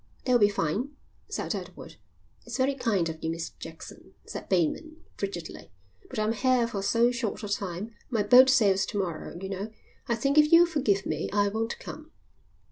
"That'll be fine," said Edward. "It's very kind of you, Mr Jackson," said Bateman, frigidly, "but I'm here for so short a time; my boat sails to morrow, you know; I think if you'll forgive me, I won't come."